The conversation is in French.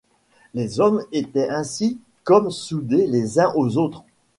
Les hommes étaient ainsi comme soudés les uns aux autres.